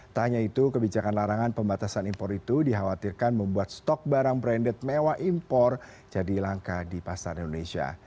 tak hanya itu kebijakan larangan pembatasan impor itu dikhawatirkan membuat stok barang branded mewah impor jadi langka di pasar indonesia